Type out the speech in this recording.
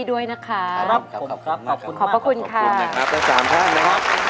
โทษให้